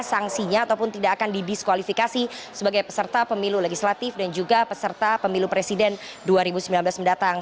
sangsinya ataupun tidak akan didiskualifikasi sebagai peserta pemilu legislatif dan juga peserta pemilu presiden dua ribu sembilan belas mendatang